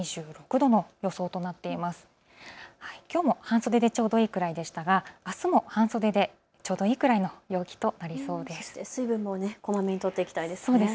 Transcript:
きょうも半袖でちょうどいいくらいでしたが、あすも半袖でちょうどいいくらいの陽気となりそうです。